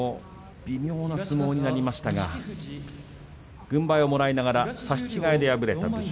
微妙な相撲になりましたが軍配をもらいながら差し違えで敗れた武将